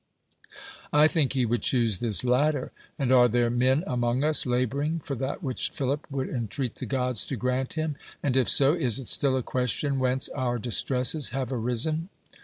I think he would choose this latter. And are there men among us laboring for that which Philip would entreat the gods to grant him? And if so, is it still a question whence our distresses have arisen